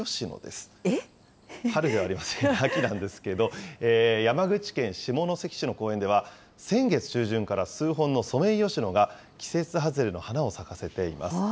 春ではありません、秋なんですけど、山口県下関市の公園では、先月中旬から数本のソメイヨシノが季節外れの花を咲かせています。